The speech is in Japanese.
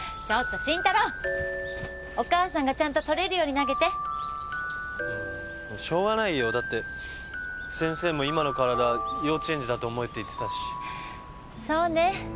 ちょっと慎太郎お母さんがちゃんと取れるように投げてうんしょうがないよだって先生も今の体幼稚園児だって思えって言ってたしそうね